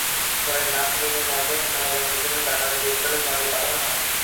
পরে নাসরিনের মরদেহ ময়নাতদন্তের জন্য ঢাকা মেডিকেল কলেজ মর্গে পাঠানো হয়।